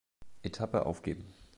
Etappe aufgeben.